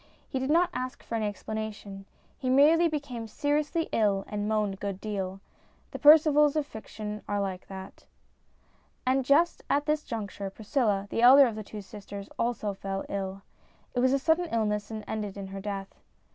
He did not ask for any explanation. He merely became seriously ill and moaned a good deal. The Percivals of fiction are like that. And just at this juncture Priscilla, the elder of the two sisters, also fell ill. It was a sudden illness, and ended in her death.